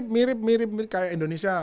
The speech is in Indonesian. mirip mirip kayak indonesia